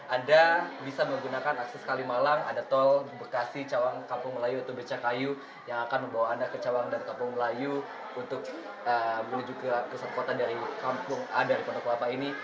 anda bisa menggunakan akses kalimalang ada tol bekasi cawang kampung melayu atau becakayu yang akan membawa anda ke cawang dan kampung melayu untuk menuju ke pusat kota dari kampung a dari pondok kelapa ini